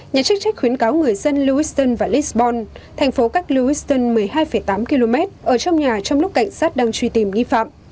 nhà chức trách khuyến cáo người dân lewiston và lisbon thành phố cách lewiston một mươi hai tám km ở trong nhà trong lúc cảnh sát đang truy tìm nghi phạm